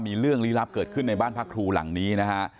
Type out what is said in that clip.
มีเรื่องลี้ลับเกิดขึ้นในบ้านพักครูหลังนี้นะฮะ